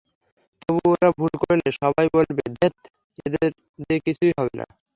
তবু ওরা ভুল করলে সবাই বলবেন ধেৎ, এঁদের দিয়ে কিছুই হবে না।